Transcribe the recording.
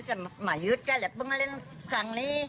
แต่มายืดแค่แหละเพิ่งเล่นกลางนี้